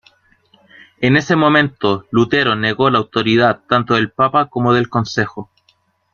En ese momento, Lutero negó la autoridad tanto del papa como del consejo.